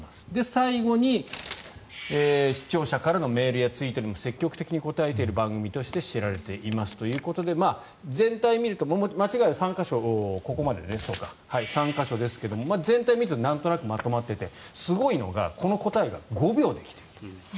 最後に視聴者からのメールやツイッターにも積極的に応えている番組として知られていますということで全体を見ると間違いはここまでで３か所ですが全体を見るとなんとなくまとまっていてすごいのがこの答えが５秒で来ている。